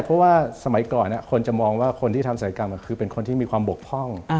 เพราะว่าสมัยก่อนคนจะมองว่าคนที่ทำศัยกรรมคือเป็นคนที่มีความบกพร่อง